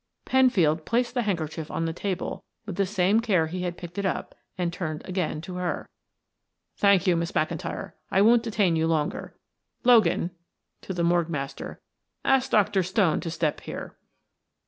Penfield replaced the handkerchief on the table with the same care he had picked it up, and turned again to her. "Thank you, Miss McIntyre; I won't detain you longer. Logan," to the morgue master, "ask Dr. Stone to step here."